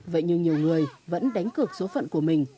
vậy nhưng nhiều người vẫn đánh cược số phận của mình